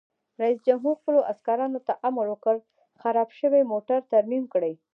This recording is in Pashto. رئیس جمهور خپلو عسکرو ته امر وکړ؛ خراب شوي موټر ترمیم کړئ!